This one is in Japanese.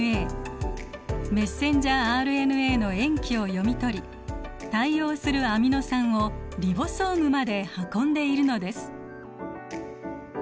メッセンジャーＲＮＡの塩基を読み取り対応するアミノ酸をリボソームまで運んでいるのです。